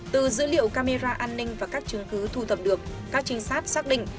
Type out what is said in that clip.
từ dữ liệu camera an ninh và các chứng cứ thu thập được các trinh sát xác định